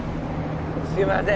すいません。